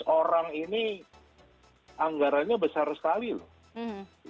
empat ratus orang ini anggarannya besar sekali loh